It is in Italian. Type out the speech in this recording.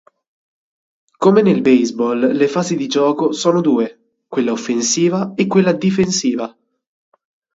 Come nel baseball le fasi di gioco sono due, quella offensiva e quella difensiva.